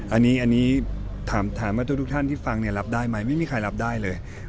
อันนี้ถามว่าทุกท่านที่ฟังรับได้ไหมไม่มีใครรับได้เลย